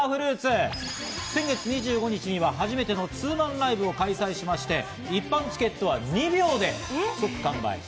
先月２５日には初めてのツーマンライブを開催しまして、一般チケットは２秒で即完売。